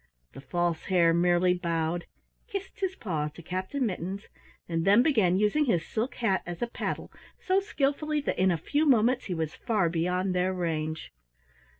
The False Hare merely bowed, kissed his paw to Captain Mittens, and then began using his silk hat as a paddle so skilfully that in a few moments he was far beyond their range.